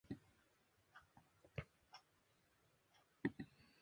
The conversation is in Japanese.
マットグロッソ・ド・スル州の州都はカンポ・グランデである